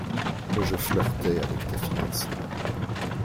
Je flirtais avec ta fiancée.